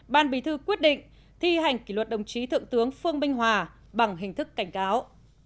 ban bí thư quyết định thi hành kỷ luật đồng chí thượng tướng phương minh hòa bằng hình thức cảnh cáo